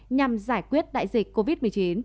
nhằm giải quyết đại dịch covid một mươi chín